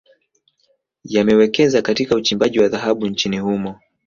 Yamewekeza Katika uchimbaji wa dhahabu nchini humo